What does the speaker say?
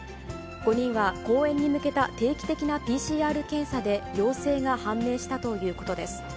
５人は公演に向けた定期的なＰＣＲ検査で陽性が判明したということです。